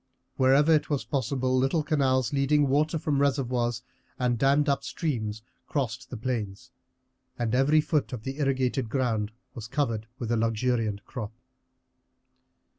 Wherever it was possible little canals leading water from reservoirs and dammed up streams crossed the plains, and every foot of the irrigated ground was covered with a luxuriant crop.